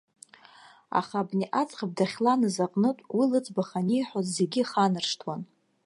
Аха абни аӡӷаб дахьланыз аҟнытә, уи лыӡбахә аниҳәоз зегьы иханаршҭуан.